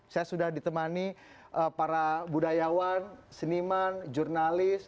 saya sudah ditemani para budayawan seniman jurnalis